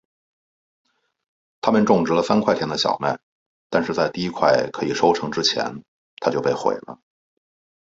他们种植了三块田的小麦但是在第一块可以收成之前它就被毁了。